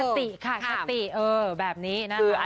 สติค่ะสติแบบนี้น่ะ